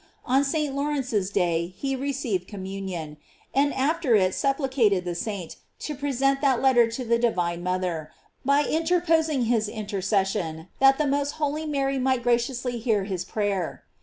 On St. Lawrence's day he received communion, and after [it supplicated the saint to present that letter to the divine mother, by interposing his intercession that the most holy Mary might graciously hear his pray er.